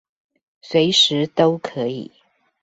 隨時都可以